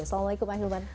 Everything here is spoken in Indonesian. assalamualaikum pak hilman